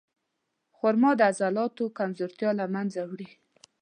خرما د عضلاتو کمزورتیا له منځه وړي.